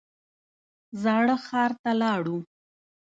زاړه ښار ته لاړو.